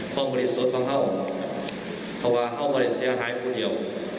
บริสุทธิ์ของเขาเพราะว่าเขาไม่ได้เสียหายคนเดียว